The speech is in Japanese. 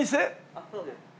あっそうです。